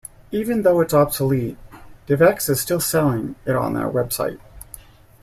Even though it's obsolete, DivX is still selling it on their web site.